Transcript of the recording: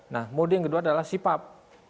nah mode yang kedua adalah sipap